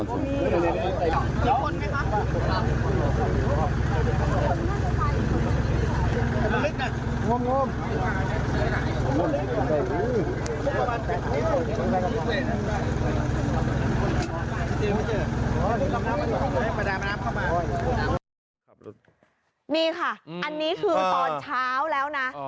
นี่ค่ะอันนี้คือตอนเช้าแล้วนะ